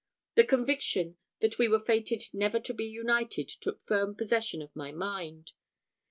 The conviction that we were fated never to be united took firm possession of my mind.